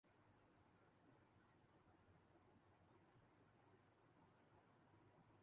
پاکستان میں ہمارا کل اسلام نماز جمعہ اور مولبی کی تقریر کے علاوہ کچھ نہ تھا